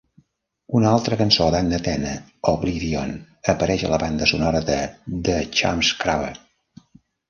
Una altra cançó d"Annetenna "Oblivion" apareix a la banda sonora de "The Chumscrubber".